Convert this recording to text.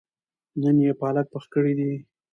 نن يې پالک پخ کړي دي